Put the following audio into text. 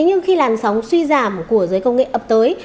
nhưng khi làn sóng suy giảm của giới công nghệ ập tới